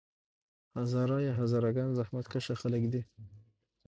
هزاره یا هزاره ګان زحمت کښه خلک دي.